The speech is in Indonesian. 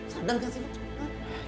sadar gak sih